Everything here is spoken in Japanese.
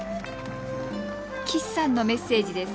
岸さんのメッセージです。